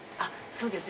そうですね。